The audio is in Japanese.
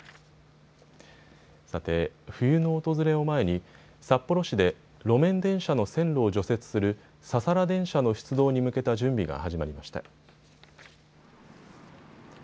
さて冬の訪れを前に札幌市で路面電車の線路を除雪するササラ電車の出動に向けた準備が始まりました。